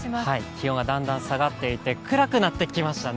気温がだんだん下がっていて暗くなってきましたね。